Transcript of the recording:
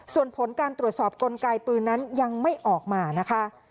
ส่วนผลการตรวจสอบกลไกปืนนั้นยังไม่ออกมานะคะ